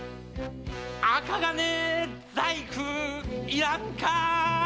銅細工いらんか！